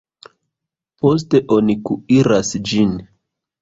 Poste oni kuiras ĝin.